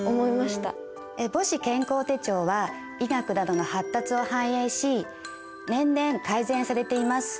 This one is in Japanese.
母子健康手帳は医学などの発達を反映し年々改善されています。